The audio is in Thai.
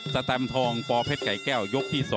แตมทองปอเพชรไก่แก้วยกที่๒